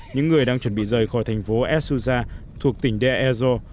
những người đang chuẩn bị rời khỏi thành phố esuza thuộc tỉnh deir ezzor